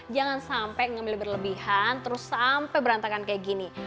jangan sampai ngemil berlebihan terus sampai berantakan kayak gini